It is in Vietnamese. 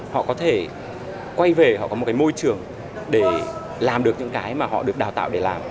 họ có thể quay về họ có một cái môi trường để làm được những cái mà họ được đào tạo để làm